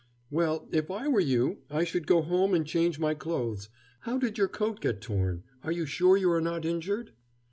"Well, if I were you, I should go home and change my clothes. How did your coat get torn? Are you sure you are not injured?"